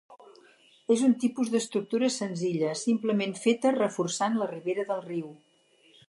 És un tipus d'estructura senzilla, simplement feta reforçant la ribera del riu.